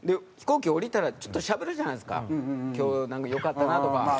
飛行機降りたらちょっとしゃべるじゃないですか「今日なんか良かったな」とか。